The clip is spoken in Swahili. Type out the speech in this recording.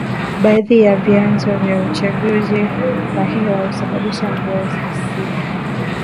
Baadhi ya vyanzo vya uchafuzi wa hewa husababisha mvua ya asidi